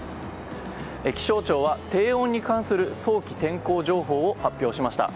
気象庁は、低温に関する早期天候情報を発表しました。